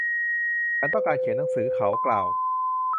ฉันต้องการเขียนหนังสือ เขากล่าว